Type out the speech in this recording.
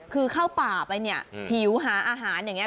คือเข้าป่าไปเนี่ยหิวหาอาหารอย่างนี้